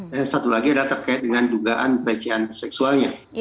dan satu lagi adalah terkait dengan dugaan pelecehan seksualnya